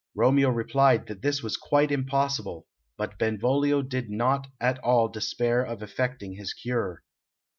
Romeo replied that this was quite impossible, but Benvolio did not at all despair of effecting his cure.